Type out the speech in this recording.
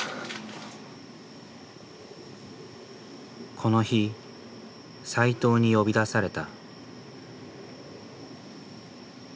この日斎藤に呼び出された。